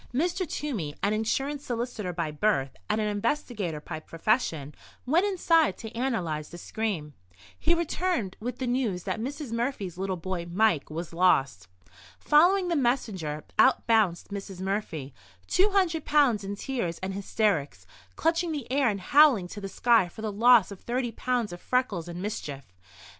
Mr. Toomey, an insurance solicitor by birth and an investigator by profession, went inside to analyse the scream. He returned with the news that Mrs. Murphy's little boy, Mike, was lost. Following the messenger, out bounced Mrs. Murphy—two hundred pounds in tears and hysterics, clutching the air and howling to the sky for the loss of thirty pounds of freckles and mischief.